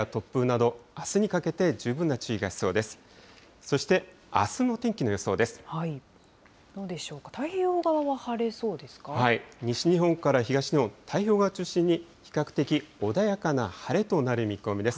どうでしょうか、太平洋側は西日本から東日本、太平洋側を中心に、比較的穏やかな晴れとなる見込みです。